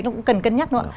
nó cũng cần cân nhắc nữa